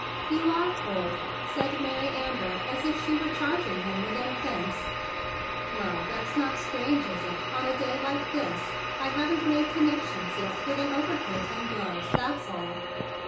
"You are cold!" said Maiy Amber as if she were charging him with an offence. "Well, that's not strange 1 —is it— on a day like this? I haven't made connections yet with an overcoat and gloves; that's all."